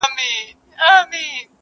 د زړه له درده شاعري کوومه ښه کوومه,